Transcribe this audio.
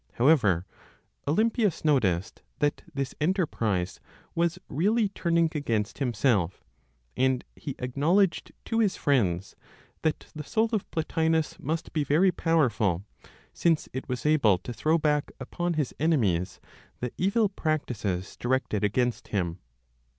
However, Olympius noticed that this enterprise was really turning against himself, and he acknowledged to his friends that the soul of Plotinos must be very powerful, since it was able to throw back upon his enemies the evil practices directed against him.